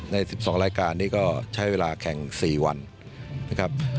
ใน๑๒รายการนี้ก็ใช้เวลาแข่ง๔วันนะครับ